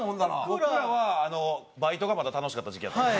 僕らはバイトがまだ楽しかった時期やった。